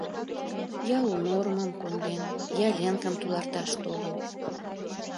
— Я у нормым конден, я Ленкам туларташ толын.